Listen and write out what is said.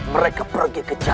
mereka tinggal berada di sana